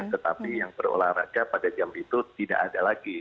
tetapi yang berolahraga pada jam itu tidak ada lagi